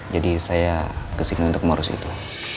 jadi saya kesini untuk mewarisi itu